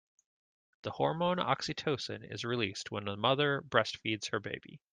The hormone oxytocin is released when a mother breastfeeds her baby.